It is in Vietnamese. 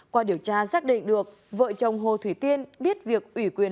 qua điều tra xác định được vợ chồng hồ thủy tiên biết việc ủy quyền